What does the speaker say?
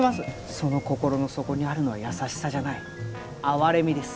その心の底にあるのは優しさじゃない、あわれみです。